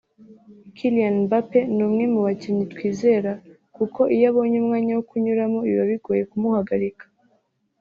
Kylian Mbappe ni umwe mu bakinnyi twizera kuko iyo abonye umwanya wo kunyuramo biba bigoye kumuhagarika